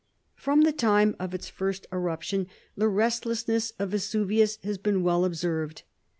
From the time of its first eruption, the restlessness of Vesuvius has been well observed.